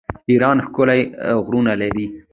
ایران ښکلي غرونه لري.